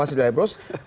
masih di elbrus